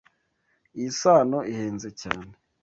Iyi sano ihenze cyane.